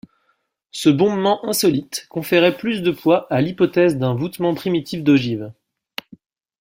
Ce bombement insolite conférerait plus de poids à l’hypothèse d’un voutement primitif d’ogives.